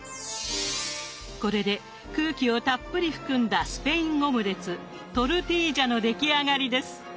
これで空気をたっぷり含んだスペインオムレツトルティージャの出来上がりです。